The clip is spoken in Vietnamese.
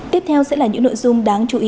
tiếp theo sẽ là những nội dung đáng chú ý